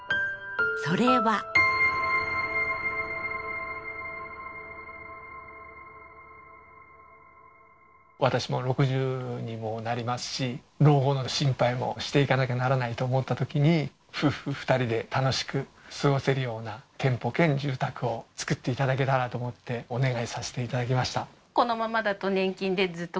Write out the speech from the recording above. それは私も６０にもうなりますし老後の心配もしていかなきゃならないと思ったときに夫婦２人で楽しく過ごせるような店舗兼住宅を作って頂けたらと思ってお願いさせていただきました